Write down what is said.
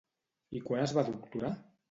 I quan es va doctorar?